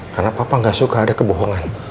karena papa gak suka ada kebohongan